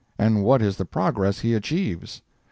And what is the progress he achieves?